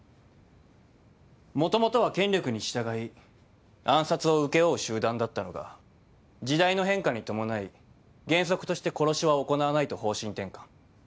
もともとは権力に従い暗殺を請け負う集団だったのが時代の変化に伴い原則として殺しは行わないと方針転換。